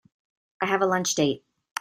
I have a lunch date.